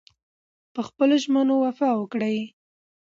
په خپلو ژمنو وفا وکړئ.